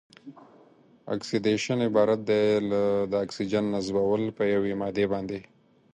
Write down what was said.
اکسیدیشن عبارت دی له د اکسیجن نصبول په یوې مادې باندې.